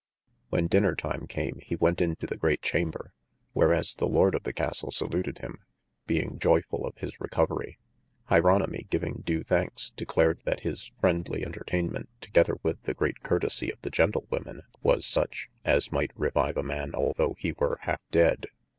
When dinner time came he went into the great chamber whereas the Lord of the Castle saluted him, being joyful of his recoverye: Jeronimy giving due thanks, declared that his friedly entertainement togeather with the great curtesie of the gentlewomen was such, as might revive a man although he were halfe dead.